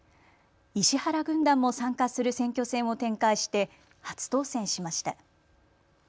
石原軍団も参加する選挙戦を展開して初当選しました。